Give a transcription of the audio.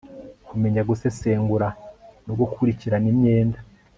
kumenya gusesengura no gukurikirana imyenda